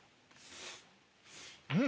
・うん！